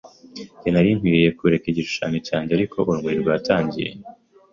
njye, Nari nkwiye kureka igishushanyo cyanjye. Ariko urumuri rwatangiye